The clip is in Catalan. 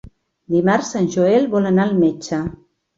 Dimarts en Joel vol anar al metge.